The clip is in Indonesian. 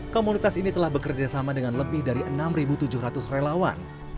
komunitas ini telah bekerjasama dengan lebih dari enam tujuh ratus relawan